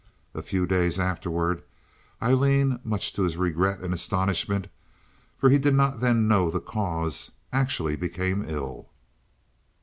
A few days afterward Aileen, much to his regret and astonishment—for he did not then know the cause—actually became ill.